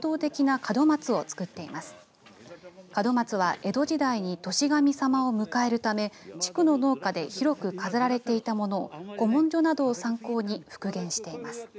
門松は、江戸時代に年神様を迎えるため地区の農家で広く飾られていたものを古文書などを参考に復元しています。